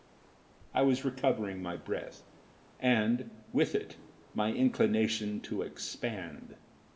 I was recovering my breath, and, with it, my inclination to expand.